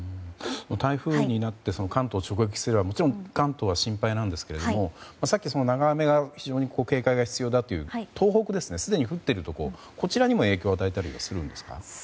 台風になって関東に直撃すればもちろん、関東は心配ですがさっき長雨が非常に警戒が必要だという東北、すでに降っているところこちらにも影響を与えたりはするんですか？